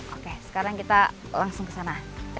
oke sekarang kita langsung ke sana